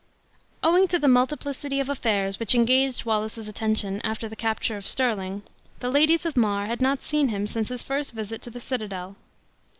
Owing to the multiplicity of affairs which engaged Wallace's attention after the capture of Stirling, the ladies of Mar had not seen him since his first visit to the citadel.